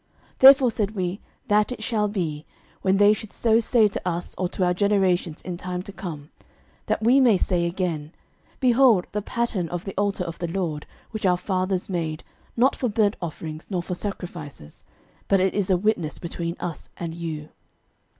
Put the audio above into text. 06:022:028 Therefore said we, that it shall be, when they should so say to us or to our generations in time to come, that we may say again, Behold the pattern of the altar of the LORD, which our fathers made, not for burnt offerings, nor for sacrifices; but it is a witness between us and you.